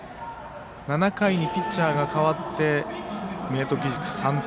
７回にピッチャーが代わって明徳義塾、３点。